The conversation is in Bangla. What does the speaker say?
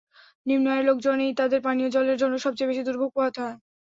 নিম্ন আয়ের লোকজনকেই, তাঁদের পানীয়জলের জন্য সবচেয়ে বেশি দুর্ভোগ পোহাতে হয়।